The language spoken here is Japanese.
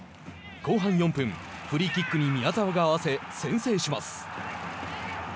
後半４分フリーキックに宮澤が合わせ先制します。